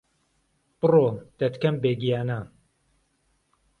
برۆ دهتکەم بێ گیانه